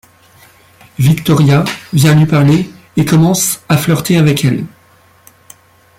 Victoria vient lui parler et commence à flirter avec elle.